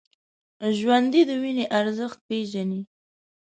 ژوندي د وینو ارزښت پېژني